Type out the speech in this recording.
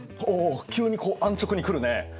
おお急にこう安直に来るね。